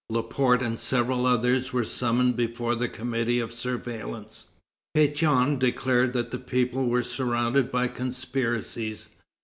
Laporte and several others were summoned before the committee of surveillance. Pétion declared that the people were surrounded by conspiracies.